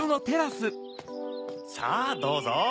さぁどうぞ。